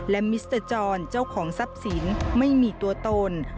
และมิสเตอร์จรเจ้าของทรัพย์สินไม่มีตัวตน